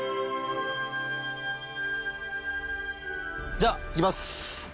じゃあ行きます。